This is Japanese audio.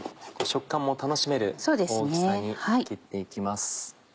食感も楽しめる大きさに切って行きます。